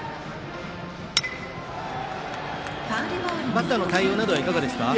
バッターの対応などはいかがですか？